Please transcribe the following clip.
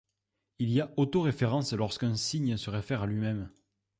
Il y a autoréférence lorsqu’un signe se réfère à lui-même.